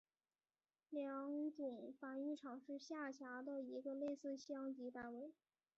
良种繁育场是下辖的一个类似乡级单位。